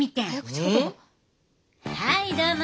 はいどうも。